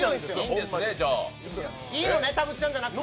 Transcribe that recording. いいのね、たぶっちゃんじゃなくて。